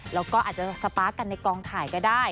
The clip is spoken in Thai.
แล้วก็อาจจะสปาร์คกันในกองถ่ายก็ได้